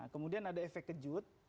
kemudian ada efek kejut